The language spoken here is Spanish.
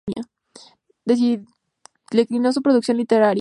Declinó su producción literaria.